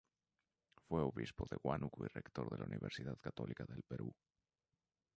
Fue obispo de Huánuco y Rector de la Universidad Católica del Perú.